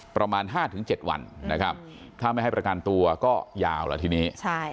ประมาณ๕๗วันนะครับถ้าไม่ให้ประกันตัวก็ยาวแล้วทีนี้